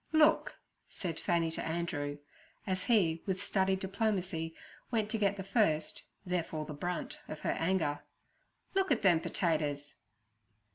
'Look' said Fanny to Andrew, as he with studied diplomacy went to get the first, therefore the brunt, of her anger. 'Look at them pertaters.'